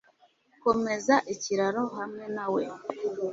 Komeza ikiraro hamwe nawe